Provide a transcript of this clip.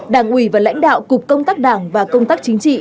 đảng ủy và lãnh đạo cục công tác đảng và công tác chính trị